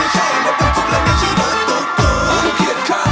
สุดท้ายสุดท้ายสุดท้าย